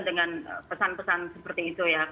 dengan pesan pesan seperti itu ya